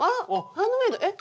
ハンドメイドえっ！